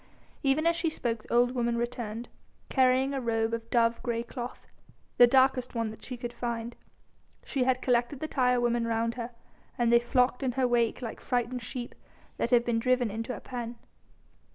Even as she spoke the old woman returned, carrying a robe of dove grey cloth, the darkest one that she could find. She had collected the tire women round her, and they flocked in her wake like frightened sheep that have been driven into a pen.